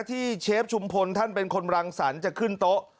เชฟชุมพลท่านเป็นคนรังสรรค์จะขึ้นโต๊ะ